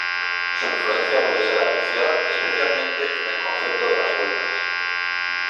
Su influencia puede ser apreciada, especialmente, en el concepto de las vueltas.